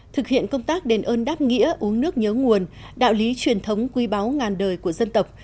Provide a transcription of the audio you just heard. thực hiện công tác đền ơn đáp nghĩa uống nước nhớ nguồn đạo lý truyền thống quý báu ngàn đời của dân tộc